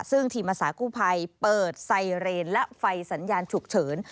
ซึ่งทีมอาสากู้ภัยเปิดไซเรนและไฟสัญญาณฉุกเฉิน